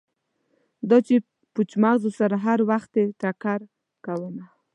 دا چې پوچ مغزو سره هروختې ټکر کومه